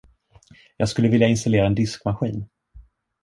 Jag skulle vilja installera en diskmaskin.